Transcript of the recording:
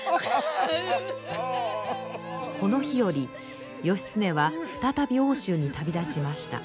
この日より義経は再び奥州に旅立ちました。